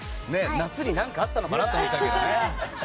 夏に何かあったのかなと思っちゃうけどね。